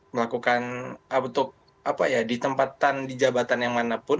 melakukan untuk apa ya di tempatan di jabatan yang mana pun